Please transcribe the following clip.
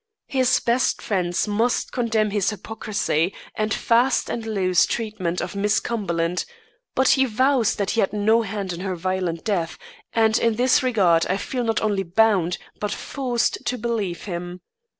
His best friends must condemn his hypocrisy and fast and loose treatment of Miss Cumberland; but he vows that he had no hand in her violent death, and in this regard I feel not only bound but forced to believe him.